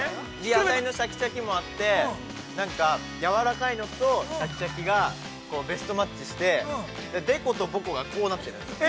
◆野菜のシャキシャキもあってなんか、やわらかいのとシャキシャキがベストマッチして凸と凹がこうなってるんですよ。